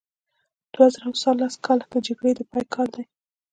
دوه زره څوارلس کال د جګړې د پای کال دی.